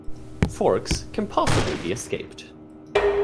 Forks can possibly be escaped.